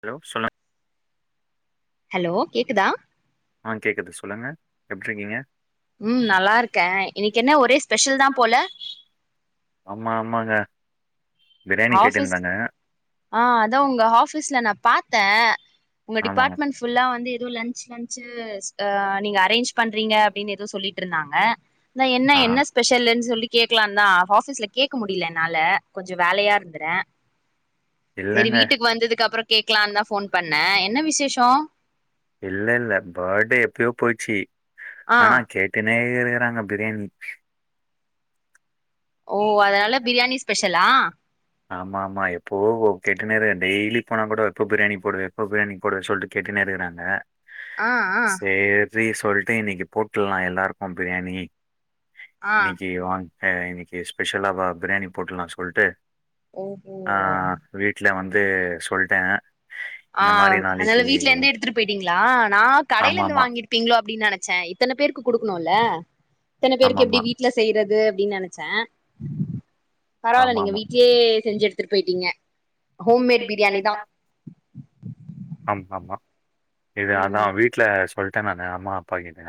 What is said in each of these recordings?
Hello சொல்லுங் hello கேக்குதா ஆ கேக்குது சொல்லுங்க எப்டி இருக்கீங்க ம் நல்லா இருக்க இன்னிக்கு என்ன ஒரே ஸ்பெஷல் தா போல ஆமா ஆமாங்க பிரியாணி ஆபீஸ் கேட்டிருந்தாங்க. ஆ அதா உங்க ஆபீஸ்ல நா பாத்த உங்க ஆமாங்க. டிபார்ட்மெண்ட் ஃபுல்லா வந்து ஏதோ லன்ச் லன்ச்சு அ நீங்க அரேஞ்ச் பண்றீங்க அப்டின்னு எதோ சொல்லிட்டு இருந்தாங்க நா என்ன என்ன ஸ்பெஷலுன் சொல்லி கேக்கலான் தா ஆஃபீஸ்ல கேக்க முடில என்னால கொஞ்சோ வலையா வந்துற சரி இல்லங்க வீட்டுக்கு வந்ததுக்கு அப்றோ கேக்கலான் தா ஃபோன் பண்ண என்ன விசேஷோ இல்ல இல்ல பர்டே எப்பயோ போய்ச்சு ஆ ஆனா கே தி நேரே இருக்குறாங்க பிரியாணி ஓ அதனால பிரியாணி ஸ்பெஷல் லா ஆமா ஆமா எப்போ ஓ கேட்டுனு தா டெய்லி போனா கூட எப்போ பிரியாணி போடுவ எப்போ பிரியாணி போடுவ சொல்ட்டு கேட்டுனே இருக்கிறாங்க ஆ ஆ சேரி சொல்ட்டு இன்னிக்கு போட்டுலா எல்லாருக்கு பிரியாணி ஆ இன்னிக்கு வாங் அ இன்னிக்கு ஸ்பெஷலா பிரியாணி போட்டுலா சொல்லிட்டு ஓ ஓ வீட்டு்ல வந்து சொல்டே ஆ அதுனால வீட்டுல இருந்தே எடுதுட்டு போயிடீங்களா நா கடையில இருந்து ஆமாமா. வாங்கிரு பீங்ளோ அப்டின்னு நனச்சே இத்தன பேருக்கு குடுக்கனுல இத்தன பேருக்கு எப்டி வீ ட்ல செயறது அப்டினு நெனச்ச பரவால நீங்க வீட் ட்லே செஞ்சி எடுத்துட்டு போயிடீங்க [unintelligible] ஆமா ஆமா இது அதா ம் வீட்டு ட்ல சொல்டே நானு அம்மா அப்பா கிட்ட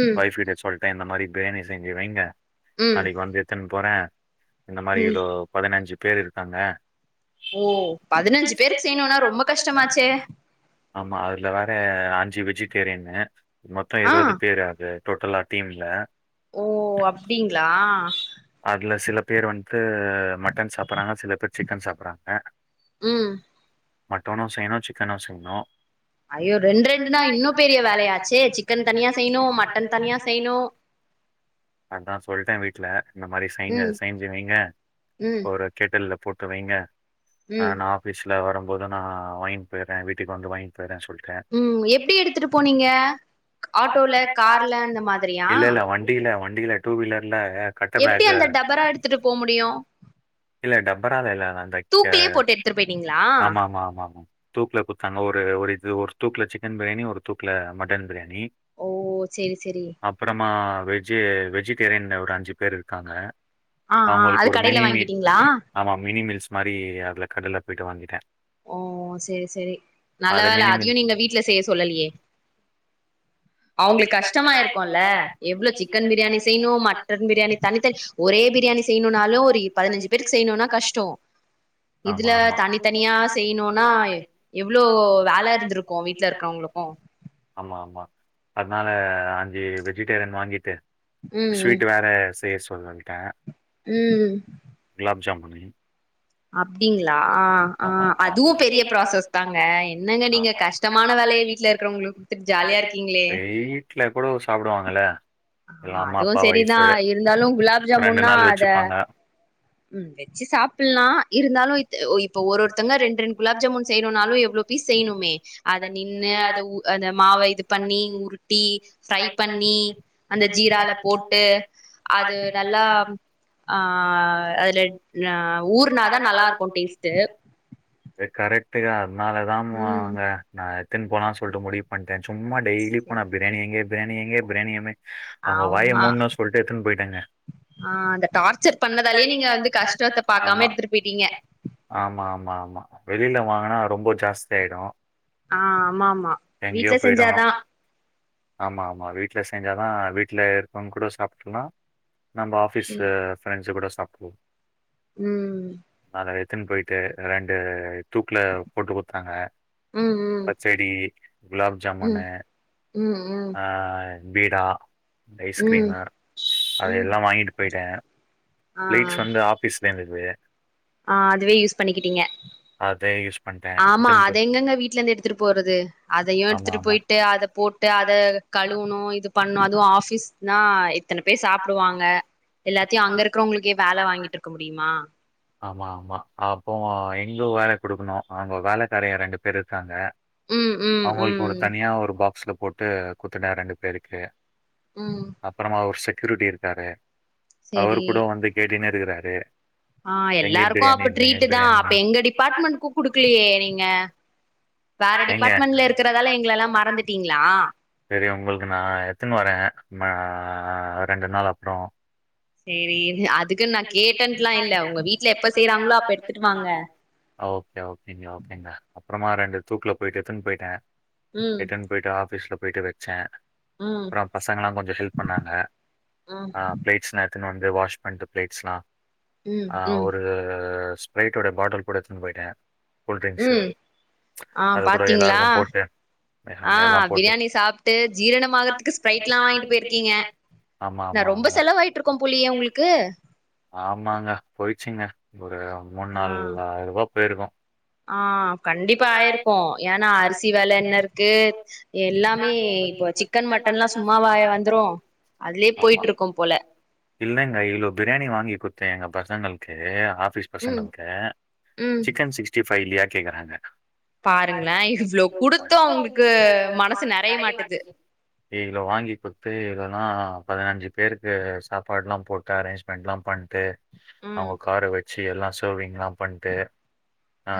ம் ஒய்ஃப் கிட்ட சொல் த்த இந்த மாரி பிரியாணி செஞ்சி வைங்க ம் நாளக்கு வந்து எடுத்துனு போற இந்த மாரி ம் இவ்ளோ பதினஞ்சு பேரு இருக்காங்க ஓ பதினஞ்சு பேருக்கு செய்யணும்னா ரொம்ப கஷ்டமாச்சே ஆமா அதுல வேற அஞ்சு வெஜிடேரியனு மொத்தோ ஆ இருபது பேரு அது டோட்டலா டீம்ல ஓ அப்டிங்களா அதுல சில பேர் வந்துட்டு மட்டன் சாப்பறாங்க சில பேர் சிக்கன் சாப்பறாங்க ம் மட்டனு செய்ணு சிக்கனு செய்ணு அய்யோ ரெண்டு ரெண்டுனா இன்னு பெரிய வேலயாச்சே சிக்கன் தனியா செய்ணு மட்டன் தனியா செய்ணு அதா சொல்ட வீட்டுல இந்த மாரி செய்ங்க ம் செஞ்சு வைங்க ம் ஒரு கேட்டல்ல போட்டு வைங்க ஆ ம் நா ஆபீஸ்ல வரும்போது நா வாங்கிட்டு போய்ற வீட்டுக்கு வந்து வாங்கிட்டு போயிடுற சொல் ம் எப்டி எடுத்துட்டு போனீங்க சொல்ட்டேன். ஆட்டோல கார்ல அந்த மாதிரியா இல்ல, இல்ல வண்டில வண்டில டூ வீலர்லா கட்ட எப்டி பேகு அந்த டபரா எடுத்துட்டு போ முடியு இல்ல டபரா ல்ல அந்த த தூக்குலயே போட்டு எடுத்துட்டு போயிட்டீங்களா ஆமா ஆமா ஆமா தூக்ல குத்தாங்க ஒரு ஒரு இது ஒரு தூக்ல சிக்கன் பிரியாணி ஒரு தூக்ல மட்டன் பிரியாணி ஓ சேரி சேரி அப்பறமா வெஜி வெஜிடேரியன்ல ஒரு அஞ்சி பேர் இருக்காங்க ஆ ஆ அது அவுங்களுக்கு ஒரு கடையில மினி மீ வாங்கிட்டீங்களா ஆமா மினி மீல்ஸ் மாரி அதுல கடைல போயிட்டு வாங்கிட்ட ஓ சேரி சேரி நல்ல அது வேல மினி மீல் அதயு நீங்க வீட்ல செய சொல்லலியே அவுங்களுக்கு கஷ்டமா இருக்கும்ல எவ்ளோ சிக்கன் பிரியாணி செய்ணு மட்டன் பிரியாணி தனித்தனி ஒரே பிரியாணி செய்ணுனாலு ஒரு பதினஞ்சி பேருக்கு செய்ணும்னா கஷ்டோ இதுல ஆமா, ஆமா. தனி தனியா செ ய்ணுனா எவ்ளோ வேல இருந்துருக்கு வீட்டுல இருக்கு றங்களுக்கு ஆமா ஆமா அதுனால அஞ்சி வெஜிடேரியன் வாங்கிட்டு ம் ஸ்வீட் வேற செய்ய சொல்லிட ம் குலாப் ஜாம் பன்னே அப்டிங்களா அ ஆ அதுவு பெரிய ப்ராசஸ் தாங்க என்னங்க நீங்க கஷ் டமான வேலய வீட்டுல இருக்கிறங்களுக்கு குடுத்துட்டு ஜாலியா இருக்கீங்களே வீட்ல கூட சாப்பிடுவாங்கல்ல. ஆமா எல்லாம் அம்மா, அதுவு அப்பா, சேரிதா ஒய்ஃபு இருந்தாலு குலாப் ஜாமுன்னா நாள் அத வச்சுப்பாங்க. ம் வச்சி சாப்பில்லா இருந்தாலு இப்ப ஒரு ஒருத்தங்க ரெண்ட் ரெண்ட் குலாப் ஜாமுன் செய்ணும்னாலு எவ்ளோ பீஸ் செய்ணுமே அத நின்னு அத உ அந்த மாவ இது பண்ணி உருட்டி ஃப்ரை பண்ணி அந்த ஜீரால போட்டு அது நல்லா ஆ அதுல ஊர்னா தா நல்லாருக்கு டேஸ்ட்டு கரெக்ட்டு தா அதனாலதா ம் அவுங்க நா எடுத்துனு போனா சொல்லிட்டு முடிவு பண்ணிட்டே. சும்மா டெய்லி போனா ப்ரியாணியெங்கே ப்ரியாணியெங்கே ப்ரியாணி [inaudible] அவுங்க வாய ஆமா மூட்ணு சொல்லிட்டு எடுத்துன்னு போயிட்டேங்க! ஆ அந்த டார்ச்சர் பண்ணதாலயே நீங்க வந்து கஷ்டத்த ஆமா. பாக்காம எடுத்துட்டு போய்ட்டீங்க ஆமா ஆமா ஆமா வெளில வாங்குனா ரொம்ப ஜாஸ்தியாயிடு ஆ ஆமா ஆமா எங்கயோ வீட்ல செஞ்சாதா போயிடுவாங்க.. ஆமாமா! வீட்டில செஞ்சாதா வீட்ல இருக்கறவங்க கூட சாப்ட்றலா நம்ம ஆஃபீஸு ம் ஃப்ரெண்ட்ஸ் கூட சாப் [inaudible] ம் அத எடுத்துன்னு போய்ட்டு, ரெண்டு தூக்குல போட்டு குடுத்துத்தாங்க. ம் ம் பச்சடி குலாப் ம் ஜாமுன்னு ம் ம் ஆ பீடா ம் ஐஸ்கிரீமு ம் அதயெல்லா வாங்கிட்டு போய்ட்டே ஆ பிளேட்ஸ் வந்து ஆப் பிஸ்லேந்துது ஆ அதுவே யூஸ் பண்ணிக்கிட்டீங்க அதே யூஸ் பண்டே ஆமா அத எங்கங்க வீட்டுலருந்து எடுதுட்டு போறது அதயு எடுதுட்டு போய்ட்டு அத போட் ட்டு அத கழுவுணு இது பண்ணு அதுவு ஆபீஸ்னா எத் தன பேர் சாப்டுவாங்க எல்லாத்தயு அங்க இருக்கிறங்களுக்கே வேல வாங்கிட்டு இருக்க முடியுமா ஆமா ஆமா அப்போவு எங்கு வேல குடுக்கணு அவுங்க வேலைக்காரயங்க ரெண்டு பேர் இருக்காங்க ம் ம் அவுங்களுக்கொரு ம் தனியா ஒரு பாக்ஸ்ல போட்டு, குடுத்துட்டே ரெண்டு பேருக்கு! ம் அப்பறமா ஒரு செக்யூரிட்டி இருக்காரு. அவ்ரு சேரி கூட வந்து கேட்டுனே இருக்குறாரு! ஆ எல்லாருக்கு அப்ப ட்ரீட்டு் தா பிரியாணி. அப்ப எங்க டிபார்ட்மெண்ட்க்கு குடுக்கலையே நீங்க வேற ஏங்க டிபார்ட்மெண்ட்ல இருக்கறதால எங்களல்லா மறந்துட்டீங்களா செரி உங்களுக்கு நா எடுத்துன்னு வரேன். நா ரெண்டு நாள் அப்றோ சேரி அதுக்குன்னு நா கேட்டேன்ட்டுலா இல்ல. உங்க வீட்டுல எப்ப செய்யறாங்களோ அப்ப எடுத்துட்டு வாங்க ஓகே! ஓகேங்க! ஓகேங்க! அப்புறமா ரெண்டு தூக்குல போயிட்டு எடுத்துன்னு போயிட்டே ம் எடுத் போய்ட்டு ஆஃபீஸ்ல போய்ட்டு வச்சே ம் அப்றோ பசங்களா கொஞ்சோ ஹெல்ப் பண்ணாங்க ம் ஆ பிளேட்ஸ்லா எடுத்துட்டு வந்து வாஷ் பண்ணிட்டு பிளேட்ஸ்லா ம் ஆ ம் ஒரு ஸ்பைரைட்டோடா பாட்டில் கூட எடுத்துன்னு போயிட்டே கூல்ட்ரிங்க்ஸு ம் ஆ பாத்தீங்களா? ஆ நாங்க எல்லாம் ப்ரியாணி சாப்ட்டு ஜீரண ஆறதுக்கு ஸ்பிரரைட்யெல்லா வாங்கிட்டு போய்ருக்கீங்க ஆமா! ஆமா! ஆமா! ஏ உங்களுக்கு? ஆமாங்க! போயிட்ச்சுங்க! ஒரு மூண் நால் ஆ ஆயரூவா போய்ருக்கு ஆ கண்டிப்பா ஆயிருக்கு ஏன்னா! அரிசி வெல என்ன இருக்க எல்லாமே இப்போ சிக் கன் மட்டன்ல்லா சும்மாவாய வந்துரு அதுலயே போய்ட்டுருக்கு போல! இல்லங்க இவ்ளோ ப்ரியாணி வாங்கி குடுத்தே எங்க பசங்களுக்கு ஆஃபீஸ் ம் பசங்களுக்கு ம் சிக்கன் சிக்ஸ்டி ஃபைவ் இல்லியா கேக்குறாங்க பாருங்களேன்! இவ்ளோ குடுத்து அவுங்களுக்கு மனசு நெறைய மாட்டுது இவ்ளோ வாங்கி கொடுத்து, இதெல்லா பதனஞ்சு பேருக்கு சாப் பாட்லா போட்டு அரேஞ்ச்மெண்ட்யெல்லா பண்ட்டு, ம் அவுங்க கார வை சி எல்லா சர்விங்ல்லா பண்ட்டு ?? ஆ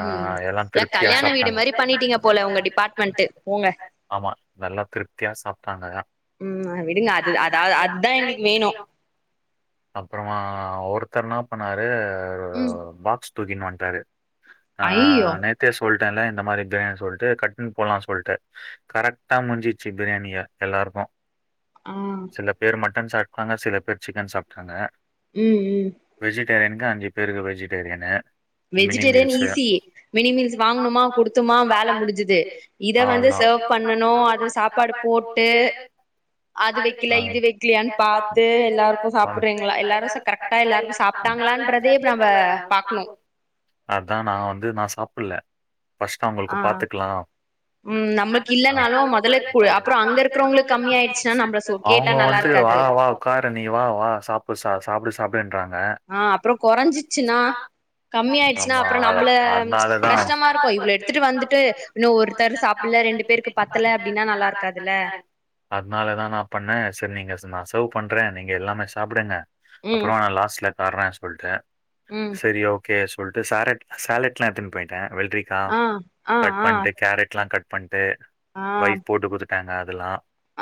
எல்லா திருப்தியா சாப்ட்டாங்க பண்ணிட்டீங்க போல உங்க டிபார்ட்மெண்ட் போங்க ஆமா நல்லா திரு ப்தியா சாப்ட்டாங்க தா ம் ஆ விடுங்க அது அதாவ அதா எங்ளுக்கு வேணு அப்றமா ஒருத்தர் இன்னா பண்ணாரு ம் பாக்ஸ் தூக்கினு வன்ட்டாரு ஆ ஐயோ நேத்தே சொல்ட்டேன்ல இந்த மாரி பிரியாணி சொல்ட்டு கட்னு போலான் சொல்ட்டு கரெக்ட்டா முட்ஞ்சிச்சு பிரியாணியே‌ எல்லாருக்கு ஆ சில பேர் மட்டன் சாப்ட்டுக்காங்க சில பேர் சிக்கன் சாப்ட்டாங்க ம் ம் வெஜிடேரியனுக்கு அஞ்சு பேருக்கு vegetarian mini vegetarian meals easy mini meals வாங்னோமா குடுத்தமா வேல முடிஞ்சிது இத வந்து அவ்வளோ சர்வ் பண்ணணு அது சாப்பாடு போட்டு அது வெக்கல இது வெக்லயான் பாத்து ட்டுஎல்லாருக்கு சாப்புறீங்ளா எல்லாரு கரெக்டா எல்லாருக்கு சாப்ட்டாங்களான்றதே இப்ப நம்ப பாக்ணு அதா நா வந்து நா சாப்புட்ல ஃபர்ஸ்ட்டு ஆ அவுங்களுக்கு பாத்துக்கலா ம் நம்ளுக்கு இல்லனாலு மொதல்ல கு அப்றோ அங்கருக்றோங்ளுக்கு கம்மி ஆய்டுச்சுன்னா நம்ள சொ கேட்டா அவுங்க நல்லா வந்து வா இருக்காது வா உக்காரு நீ வா வா சாப்பு ச சாப்டு சாப்டுன்றாங்க ஆ அப்றோ கொறஞ்சிச்சுனா கம்மியாய்ட்ச்சுன்னா அம்மா அப்றோ நம்ள அதனாலதா கஷ்டமாருக்கு இவ்ளோ எடுத்துட்டு வந்துட்டு இன்னு ஒர்த்தர் சாப்புல ரெண்டு பேர் க்கு பத்தல அப்டின்னா நல்லாருக்காதுல்ல அதனால தா நா பண்ணே செரி நீங்க நா சேர்வ் பண்றே நீங்க எல்லாமே சாப்டுங்க ம் அப்றோ நா லாஸ்ட்ல தரேன் சொல்ட்டு ம் செரி ஓகே சொல்ட்டு சாரெட் சாலட்ல்லா எத்துன் போய்ட்டே வெள்ரிக்கா ஆ ஆ கட் ஆ பண்ட்டு கேரெட்லா கட் பண்ணிட்டு.. பண்ட்டு ஆ ஒய்ஃப் போட்டு குட்த்துட்டாங்க அதெல்லா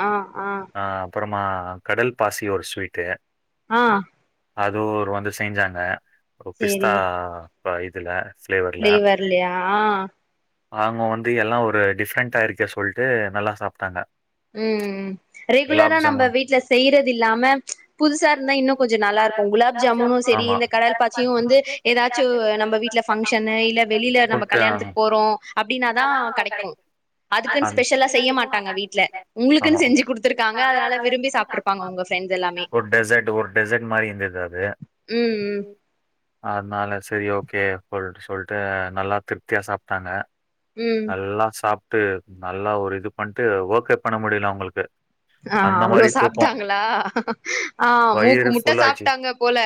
ஆ ஆ ஆ அப்பறமா கடல் பாசி ஒரு ஸ்வீட்டு ஆ அதுவுரு வந்து செய்ஞ்சாங்க ஒ பிஸ்தா ப இதுல ஃப்ளேவர்லயா அவுங்க வந்து எல்லா ஒரு டிஃப்ரெண்ட்டாருக்கே சொல்ட்டு நல்லா சாப்ட்டாங்க ம் ம் குலாப் ரெகுலரா நம்ப வீட்ல செய்றது இல்லாம புதுசாருந்தா இன்னு கொஞ்சோ நல்லாருக்கு குலாப் ஜாமுனு செரி இந்த கடல் பாசியு வந்து எதாச்சு நம்ப வீட்ல ஃபங்ஷனு இல்ல வெளில நம்ப ஜாமுன்ட்டு கல்யாணத்துக்கு போறோ அப்டின்னாதா கெடைக்கு அதுக்குன் அந் ஸ்பெஷலா செய்ய மாட்டாங்க வீட்ல உங்ளுக்குன் செஞ்சு குடுத்துருக்காங்க அதனால விரும்பி சாப்ட்ருப்பாங்க ஒங்க ஃப்ரெண்ட்ஸ் எல்லாமே ஒரு டெசர்ட் ஒரு டெசர்ட் மாரி இருந்தது அது ம் ம் அத்னால செரி ஓகே சொல்ட்டு சொல்ட்டு நல்லா திருப்தியா சாப்ட்டாங்க ம் நல்லா சாப்ட்டு நல்லா ஒரு இது பண்ட்டு ஒர்க்கே பண்ண முடில அவுங்களுக்கு ஆ அந்த அவ்ளோ மாரி தூக்கோ சாப்ட்டாங்களா ஆ மூக்கு வயிறு முட்ட ஃபுல்லாச்சு சாப்ட்டாங்க போல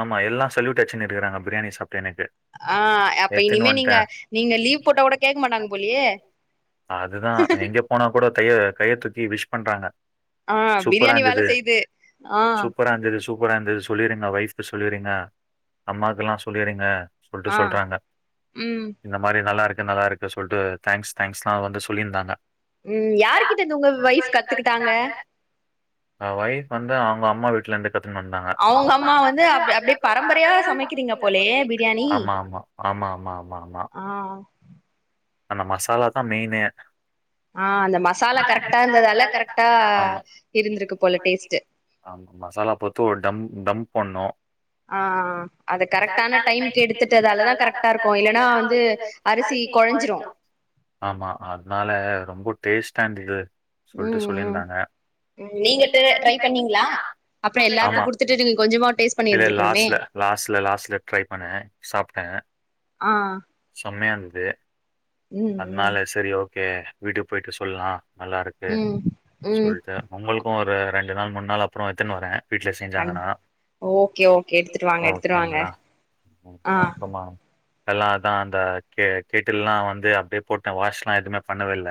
ஆமா எல்லா ஸல்யூட் அச்சுனு இருக்குறாங்க பிரியாணி சாப்ட்டு எனக்கு ஆ அப்ப எத்துன்னு இனிமே வந்ட்டே நீங்க நீங்க லீவ் போட்டா கூட கேக்க மாட்டாங் போலயே அதுதா எங்க போனா கூட தைய கைய தூக்கி விஷ் பண்றாங்க ஆ பிரியாணி வேல சூப்பராந்தது செய்து ஆ சூப்பராந்தது சூ கூடா அந்த இது சொல்லிருங்கா ஒய்ஃப்கு சொல்லிருங்க அம்மாக்குலா சொல்லிருங்க சொல்ட்டு ஆ சொல்றாங்க ம் இந்த மாரி நல்லா நல்லா இருக்கு சொல்ட்டு தேங்க்ஸ் தேங்க்ஸ்லா வந்து சொல்லியிருந்தாங்க ம் யாருகிட்ட இது உங்க வைஃப் கத்துக்கிட்டாங்க அ வைஃப் வந்து அவங்க அம்மா வீட்ல இருந்து கத்துனு வந்து அவங்க அம்மா வந்து அப் அப்டியே பரம்பரையா சமைக்கிறீங்க போலயே பிரியாணி ஆமா ஆமா ஆமா ஆமா ஆமா ஆமா ஆ அந்த மசாலா தா மெயினே ஆ அந்த மசாலா கரெக்டா இருந்ததால கரெக்டா இருந்திருக்கு போல டேஸ்ட் ஆமா மசாலா பொத்து ஒரு டம் டம்ப் பண்ணோ ஆ அத கரெக்டான டைம்கு எடுத்துட்டதாலதா கரெக்டா இருக்கு இல்லன்னா வந்து அரிசி கொழஞ்சிரு ஆமா அத்னால ரொம்ப டேஸ்டா இருந்தது ம் சொல்ட்டு ம் சொல்லிருந்தாங்க ம் நீங்க அது ட்ரை பண்ணீங்களா அப்புற ஆமா எல்லாருக்கு குடுத்துட்டு நீங்க கொஞ்சமா டேஸ்ட் பண்ணி இல்ல இருந்திருக்கணுமே லாஸ்ட்ல லாஸ்ட்ல லாஸ்ட்ல ட்ரை பண்ணே சாப்ட்டே ஆ செம்மயா இருந்தது ம் அதனால செரி ஓகே வீட்டுக்கு போய்ட்டு சொல்லா நல்லாருக்கு ம் ம் ம் சொல்ட்டு உங்களுக்கு ஒரு ரெண்டு நாள் மூணு நாள் அப்றோ எடுத்துன்னு வரே வீட்ல செஞ்சாங்கன்னா ஓகே ஓகே எடுத்துட்டு வாங்க எடுத்துடு வாங்க ஆ எல்லா அதா அந்த கே கேட்டில்லா வந்து அப்டியே போட்டே வாஷ்லா எதுவுமே பண்ணவே இல்ல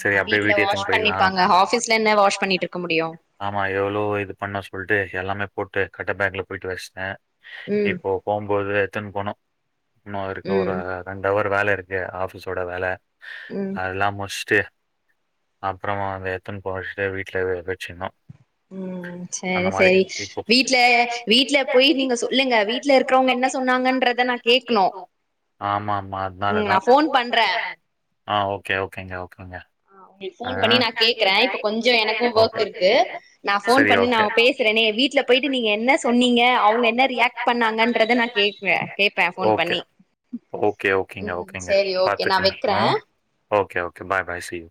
சரி ஆ அப்படியே வீ்ட்ல வீட்டுக்கு வாஷ் எடுத்துன்னு போயிடலாம். பண்ணிப்பாங்க ஆபீஸ்ல என்ன வாஷ் பண்ணிட்டு இருக்க முடியு ஆமா எவ்ளோ இது பண்ண சொல்ட்டு எல்லாமே போட்டு கட்ட பேக்ல போயிட்டு வச்ட்டே ம் இப்போ போம்போது எத்துன்னு போனு இன்னு அதுக்கு ஒரு ம் ரெண்டு ஹவர் வேல இருக்கு ஆபீஸோட வேல ம் அதலா முஷ்டு அப்றோ அத எத்துன்னு போச்சுட்டு வீட்ல வெ வெச்சின்னு ம் ம் செரி செரி வீட்ல வீட்ல போய் நீங்க சொல்லுங்க வீட்ல இருக்கறவங்க என்ன சொன்னாங்கன்றத நா கேக்கணு ஆமா ஆமா ம் அதனாலதா நா ஃபோன் பண்ற ஆ ஓகே ஓகேங்க ஓகேங்க ஆ உங்களுக்கு ஆ. ஃபோன் பண்ணி நா கேக்குறே இப்ப கொஞ்ச எனக்கு ஒர்க் ஓகே. இருக்கு நா ஃபோன் சரி பண்ணி நா ஓகே. பேசுறேனே வீட்டுல போயிட்டு நீங்க என்ன சொன்னீங்க அவுங்க என்ன ரியாக்ட் பண்ணாங்கன்றத நா கேப்பே கேப்பே ஃபோன் ஓகே, பண்ணி ஓகே ஓகேங்க ம் ஓகேங்க சேரி ஓகே நா பாத்துக்குங்க வெக்கிறே ஆ okay okay bye bye see you